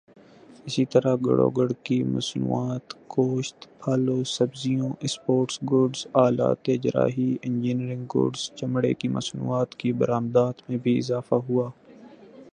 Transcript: اسی طرح گڑ و گڑ کی مصنوعات گوشت پھل وسبزیوں اسپورٹس گڈز آلات جراحی انجینئرنگ گڈز چمڑے کی مصنوعات کی برآمدات میں بھی اضافہ ہوا